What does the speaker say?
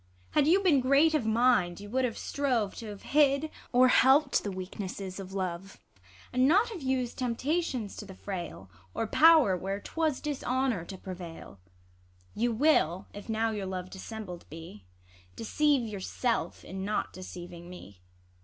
Had you been great of mind, you would have strove T' have hid, or helpt the weaknesses of love, And not have used temptations to the frail, Or pow'r, where 'twas dishonour to prevail. You will, if now your love dissembled be, Deceive yourself in not deceiving me.